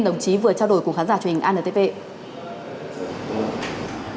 đồng chí vừa trao đổi cùng khán giả truyền hình anntp